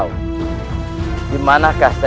ular dumung raja